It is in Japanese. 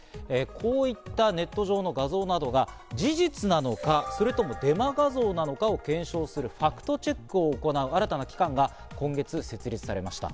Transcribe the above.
こういったネット上の画像などが、事実なのか、それともデマ画像なのかを検証するファクトチェックを行う新たな機関が今月設立されました。